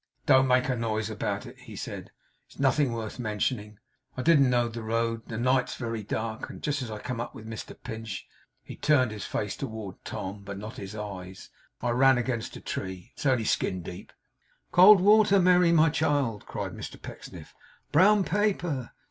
'Don't make a noise about it,' he said. 'It's nothing worth mentioning. I didn't know the road; the night's very dark; and just as I came up with Mr Pinch' he turned his face towards Tom, but not his eyes 'I ran against a tree. It's only skin deep.' 'Cold water, Merry, my child!' cried Mr Pecksniff. 'Brown paper!